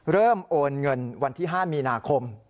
โอนเงินวันที่๕มีนาคม